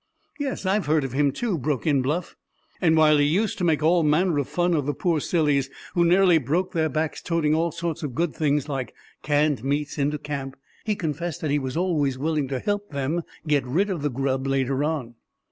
"Yes, I've heard of him, too," broke in Bluff; "and while he used to make all manner of fun of the poor sillies who nearly broke their backs toting all sorts of good things like canned meats into camp, he confessed that he was always willing to help them get rid of the grub later on."